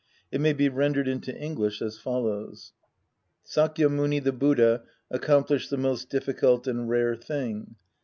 It may be rendered into English as follows : Sakya Muni, the Buddha, accomplished the most difficult and rare thing.